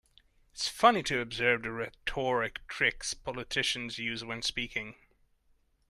It's funny to observe the rhetoric tricks politicians use when speaking.